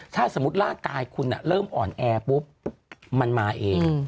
ถ้าสมมติร่างกายคุณอ่อนแอปุ๊บแมลงมันมาเอง